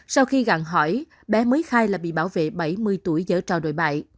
sau khi gặn hỏi bé mới khai là bị bảo vệ bảy mươi tuổi dở trò đổi bại